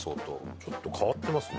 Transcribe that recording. ちょっと変わってますね。